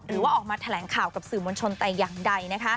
หรือว่าออกมาแถลงข่าวกับสื่อมวลชนแต่อย่างใด